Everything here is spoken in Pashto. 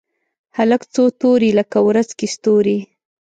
هلک څو توري لکه ورځ کې ستوري